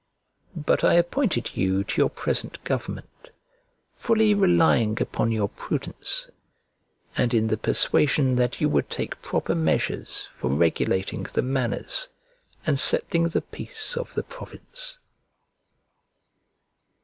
But I appointed you to your present government, fully relying upon your prudence, and in the persuasion that you would take proper measures for regulating the manners and settling the peace of the province.